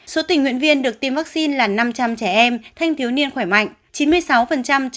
số tình nguyện viên được tiêm vaccine là năm trăm linh trẻ em thanh thiếu niên khỏe mạnh